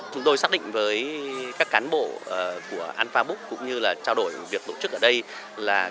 chúng tôi xác định với các cán bộ của alpha book cũng như là trao đổi việc tổ chức ở đây là